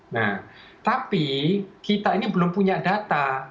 nah tapi kita ini belum punya data